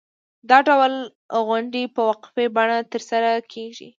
دا ډول غونډې په وقفې بڼه ترسره کېږي.